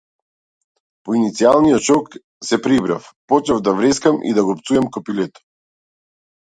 По иницијалниот шок, се прибрав, почнав да врескам и да го пцујам копилето.